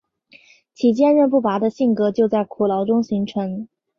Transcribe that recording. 其坚忍不拔的性格就在苦牢中形成。